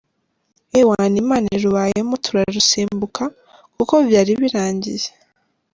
Ewana Imana ibibayemo turarusimbuka kuko byari birangiye.